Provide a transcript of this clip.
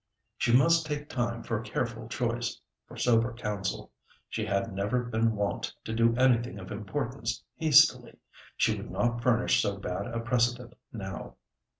She must take time for careful choice—for sober counsel. She had never been wont to do anything of importance hastily. She would not furnish so bad a precedent now.